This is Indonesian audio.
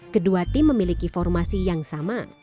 kedua tim memiliki formasi yang sama